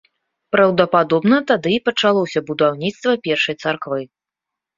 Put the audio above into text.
Праўдападобна тады і пачалося будаўніцтва першай царквы.